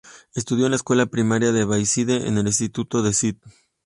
Estudió en la Escuela Primaria de Bayside y en el Instituto de St.